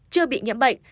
chưa bị nhiễm bệnh